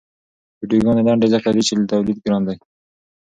ویډیوګانې لنډې ځکه دي چې تولید ګران دی.